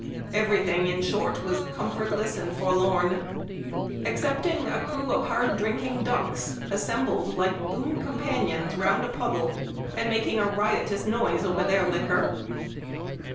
Every thing, in short, was comfortless and forlorn, excepting a crew of hard drinking ducks, assembled like boon companions round a puddle, and making a riotous noise over their liquor."